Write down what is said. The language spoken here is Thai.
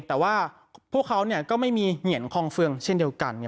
แต่ว่าพวกเขาก็ไม่มีเหงียนคองเฟืองเช่นเดียวกัน